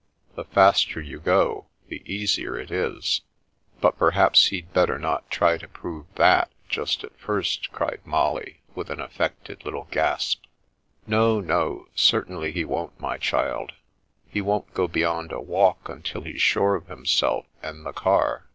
The faster you go, the easier it IS " But, perhaps he'd better not try to prove that, just at first !" cried Molly, with an affected little gasp. •' No, no; certainly he won't, my child. He won't go beyond a walk until he's sure of himself and the car.